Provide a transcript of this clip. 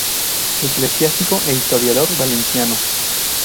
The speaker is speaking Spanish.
Eclesiástico e historiador valenciano.